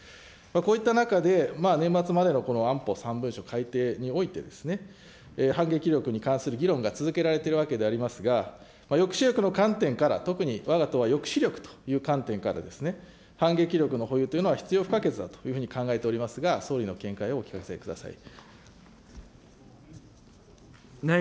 こういった中で年末までの安保３文書改訂において、反撃力に関する議論が続けられているわけでありますが、抑止力の観点から、特にわが党は抑止力という観点から、反撃力の保有というのは必要不可欠だと考えておりますが、総理の見解をお聞かせください。